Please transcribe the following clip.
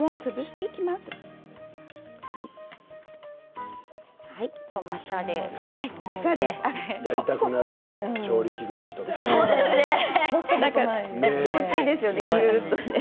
やりたくなる気持ちいいですよね。